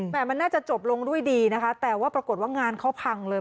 มันน่าจะจบลงด้วยดีนะคะแต่ว่าปรากฏว่างานเขาพังเลย